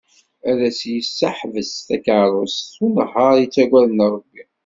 Ad as-d-yesseḥbes takarrust s unehhar i yettagaden Rebbi.